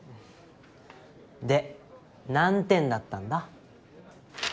で何点だったんだ？